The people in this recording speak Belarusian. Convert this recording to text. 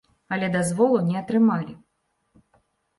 Але дазволу не атрымалі.